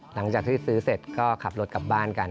หลังจากที่ซื้อเสร็จก็ขับรถกลับบ้านกัน